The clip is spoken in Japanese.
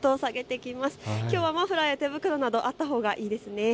きょうはマフラーや手袋などあったほうがいいですね。